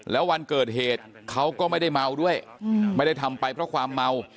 แล้ววันเกิดเหตุเขาก็ไม่ได้เมาด้วยไม่ได้ทำไปเพราะความเมา